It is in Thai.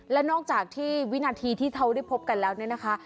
และนอกจากที่วินาทีที่เขาได้พบกันแล้วเนี่ยนะคะ